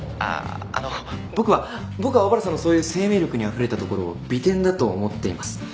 あの僕は僕は小原さんのそういう生命力にあふれたところを美点だと思っています。